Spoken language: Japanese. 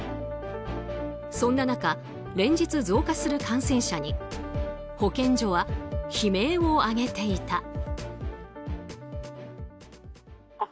そんな中、連日増加する感染者に保健所は悲鳴を上げていた。